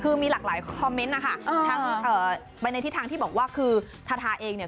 คือมีหลากหลายคอมเมนต์นะคะทั้งไปในทิศทางที่บอกว่าคือทาทาเองเนี่ย